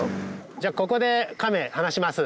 じゃあここでカメ放します。